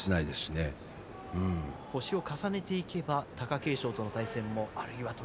過去の星を重ねていけば貴景勝との対戦もあるかと。